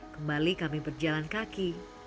kembali kami berjalan kaki